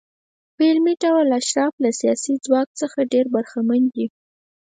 په عملي ډول اشراف له سیاسي ځواک څخه ډېر برخمن دي.